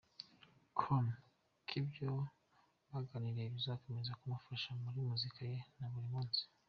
com ko ibyo baganiriye bizakomeza kumufasha muri muzika ye ya buri munsi.